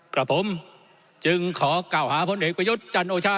กับผมจึงขอกล่าวหาพลเอกประยุทธ์จันโอชา